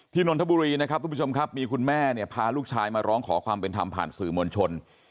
นนทบุรีนะครับทุกผู้ชมครับมีคุณแม่เนี่ยพาลูกชายมาร้องขอความเป็นธรรมผ่านสื่อมวลชน